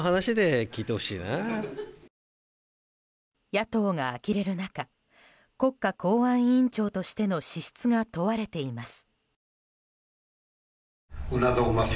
野党があきれる中国家公安委員長としての資質が問われています。